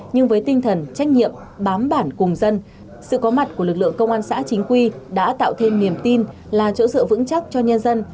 nhưng với tinh thần trách nhiệm bám bản cùng dân sự có mặt của lực lượng công an xã chính quy đã tạo thêm niềm tin là chỗ dựa vững chắc cho nhân dân